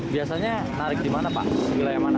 biasanya narik di mana pak di wilayah mana